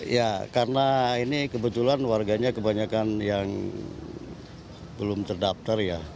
ya karena ini kebetulan warganya kebanyakan yang belum terdaftar ya